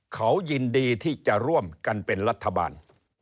เขายินดีที่จะร่วมกันเป็นรัฐบาล